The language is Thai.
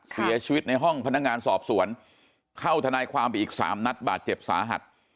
เสียชีวิตในห้องพนักงานสอบสวนเข้าทนายความไปอีกสามนัดบาดเจ็บสาหัส